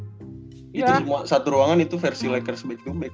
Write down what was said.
itu semua satu ruangan itu versi lakers back to back